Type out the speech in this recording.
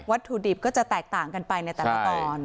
ถุดิบก็จะแตกต่างกันไปในแต่ละตอน